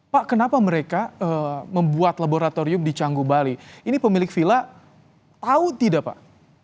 pak kenapa mereka membuat laboratorium di canggu bali ini pemilik vila tahu tidak pak